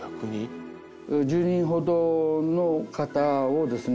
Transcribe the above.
１０人ほどの方をですね